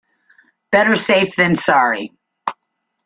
Better safe than sorry.